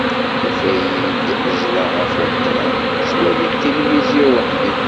Tufa-iyi-d ẓleɣ ɣef umeṭraḥ, ttwaliɣ tilivizyu weḥdi.